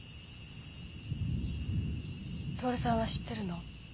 徹さんは知ってるの？